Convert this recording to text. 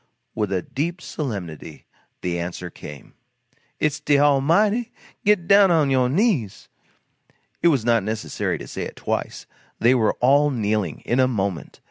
With deep solemnity the answer came: "It's de Almighty! Git down on yo' knees!" It was not necessary to say it twice. They were all kneeling, in a moment.